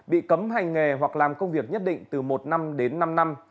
bị cấm hành nghề hoặc làm công việc nhất định từ một năm đến năm năm